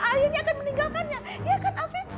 ayahnya akan meninggalkannya iya kan afif